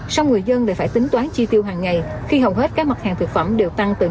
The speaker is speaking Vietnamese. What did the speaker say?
song người dân lại phải tính toán chi tiêu hàng ngày khi hầu hết các mặt hàng thực phẩm đều tăng từ năm đến một mươi